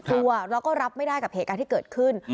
กลัวแล้วก็รับไม่ได้กับเหตุการณ์ที่เกิดขึ้น